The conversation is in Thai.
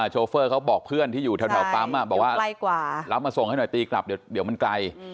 โชเฟอร์เขาบอกเพื่อนที่อยู่แถวปั๊มบอกว่ารับมาส่งให้หน่อยตีกลับเดี๋ยวมันไกล